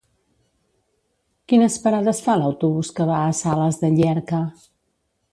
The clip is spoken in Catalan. Quines parades fa l'autobús que va a Sales de Llierca?